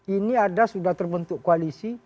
ini ada sudah terbentuk koalisi